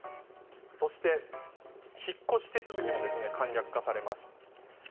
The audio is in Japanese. そして、引っ越し手続きも簡略化されます。